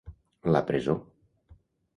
La presó.